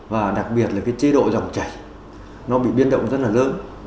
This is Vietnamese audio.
và đặc biệt là cái chế độ dòng chảy nó bị biến động rất là lớn